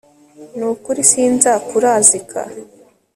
n'ukuri sinzakurazika